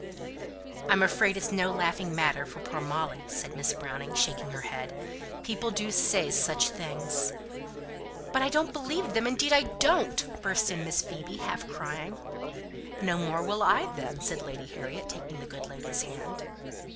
"I'm afraid it's no laughing matter for poor Molly," said Miss Browning, shaking her head. "People do say such things!" "But I don't believe them; indeed I don't," burst in Miss Phoebe, half crying. "No more will I, then," said Lady Harriet, taking the good lady's hand.